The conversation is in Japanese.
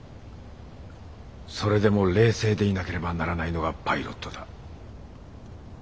それでも冷静でいなければならないのがパイロットだ。